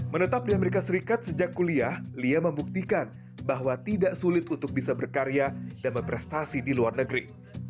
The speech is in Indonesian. menetap di amerika serikat sejak kuliah lia membuktikan bahwa tidak sulit untuk bisa berkarya dan berprestasi di luar negeri